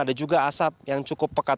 ada juga asap yang cukup pekat